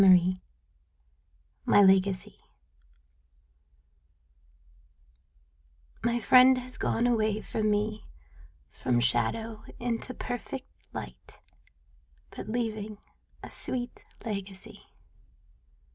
106 MY LEGACY My friend has gone away from me From shadow into perfect light, But leaving a sweet legacy.